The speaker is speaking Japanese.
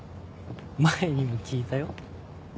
前にも聞いたよ。